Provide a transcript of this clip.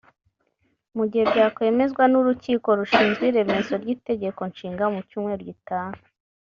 Mu gihe byakwemezwa n’urukiko rushinzwe iremezo ry’itegeko nshinga mu cyumweru gitaha